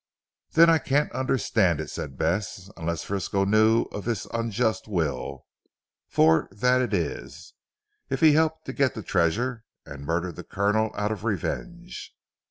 "Then I can't understand it," said Bess, "unless Frisco knew of this unjust will for that it is, if he helped to get the treasure and murdered the Colonel out of revenge."